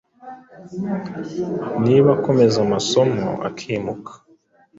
niba akomeza amasomo akimuka.